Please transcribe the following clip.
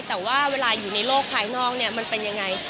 แต่ว่าเวลาอยู่ในโลกภายนอกเนี่ยมันเป็นยังไง